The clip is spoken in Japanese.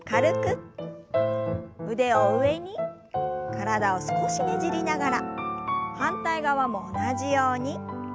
体を少しねじりながら反対側も同じように。